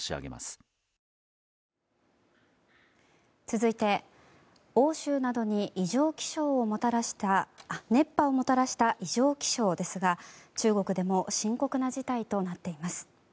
続いて欧州などに熱波をもたらした異常気象ですが、中国でも深刻な事態となっています。